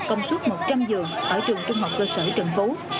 công suất một trăm linh giường ở trường trung học cơ sở trần phú